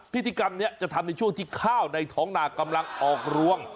พิธีกรรมนี้จะทำในช่วงที่ข้าวในท้องนากำลังออกรวง